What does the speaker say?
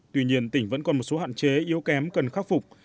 tuy nhiên tỉnh vẫn còn một số hạn chế yếu kém cần khắc phục